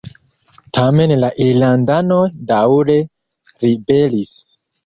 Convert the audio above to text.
Tamen la irlandanoj daŭre ribelis.